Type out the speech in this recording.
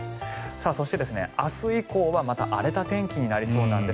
そして、明日以降はまた荒れた天気になりそうなんです。